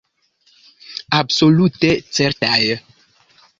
Absolute certaj.